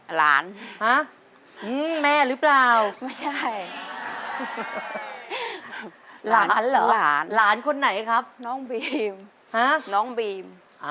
หลานฮะแม่หรือเปล่าไม่ใช่หลานเหรอหลานหลานคนไหนครับน้องบีมน้องบีม